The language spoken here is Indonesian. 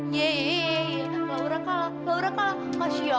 yeay laura kalah laura kalah kasian ya lo